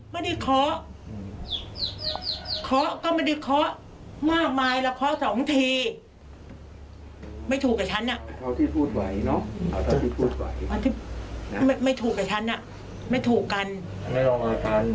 ไม่ได้เคาะทั้งวันไม่ได้เคาะ